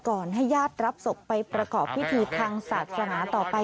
ให้ญาติรับศพไปประกอบพิธีทางศาสนาต่อไป